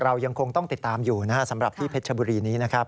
เรายังคงต้องติดตามอยู่นะครับสำหรับที่เพชรชบุรีนี้นะครับ